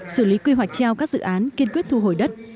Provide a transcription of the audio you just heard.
xử lý quy hoạch treo các dự án kiên quyết thu hồi đất